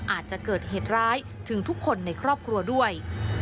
อาจจะเกิดเหตุร้ายถึงทุกคนในครอบครัวด้วย